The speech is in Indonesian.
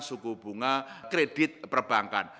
suku bunga kredit perbankan